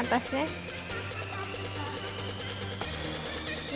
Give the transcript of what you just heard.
oke tambahin oregano